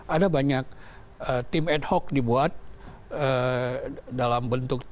ada banyak tim ad hoc dibuat dalam bentuk